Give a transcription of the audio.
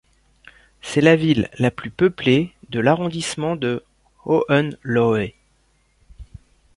C'est la ville la plus peuplée de l'arrondissement de Hohenlohe.